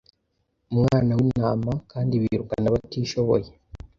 umwana wintama kandi birukana abatishoboye